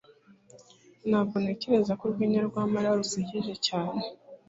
Ntabwo ntekereza ko urwenya rwa mariya rusekeje cyane